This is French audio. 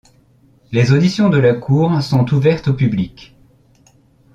Les auditions de la Cour sont ouvertes au public.